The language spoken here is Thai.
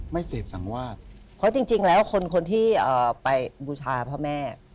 ไม่เสพสังวาดเพราะจริงแล้วคนคนที่ไปบูชาพ่อแม่